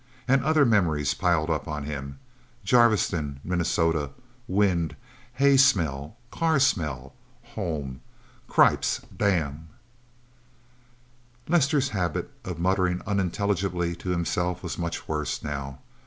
And other memories piled up on him: Jarviston, Minnesota. Wind. Hay smell, car smell. Home... Cripes...! Damn...! Lester's habit of muttering unintelligibly to himself was much worse, now.